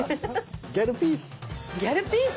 ギャルピース。